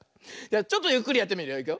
じゃちょっとゆっくりやってみるよ。